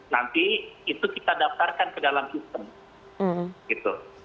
nanti itu kita daftarkan ke dalam sistem